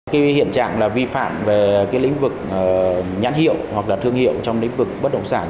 cái hiện trạng là vi phạm về cái lĩnh vực nhãn hiệu hoặc là thương hiệu trong lĩnh vực bất động sản